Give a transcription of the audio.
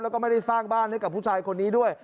แล้วก็ไม่ได้สร้างบ้านให้กับผู้ชายคนนี้ด้วย